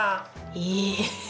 え！